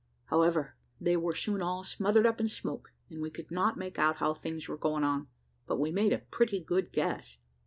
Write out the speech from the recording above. However, they were soon all smothered up in smoke, and we could not make out how things were going on but we made a pretty good guess.